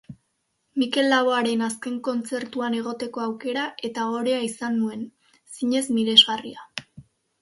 Mikel Laboaren azken kontzertuan egoteko aukera eta ohorea izan nuen, zinez miresgarria.